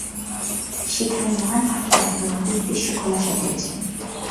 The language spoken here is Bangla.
সেখানে মহান আত্মারা তোমার উদ্দেশ্য খোলাসা করেছে।